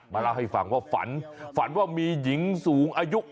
เล่าให้ฟังว่าฝันฝันว่ามีหญิงสูงอายุ